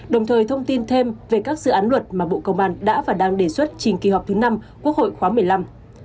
đồng thời thông tin thêm về các dự án luật mà bộ công an đã và đang đề xuất trình kỳ họp thứ năm quốc hội khóa một mươi năm